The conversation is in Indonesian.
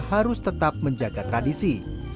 harus tetap menjaga tradisi